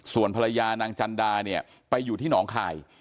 ส่วนภรรยานางจันดาเนี่ยไปอยู่ที่หนองคาย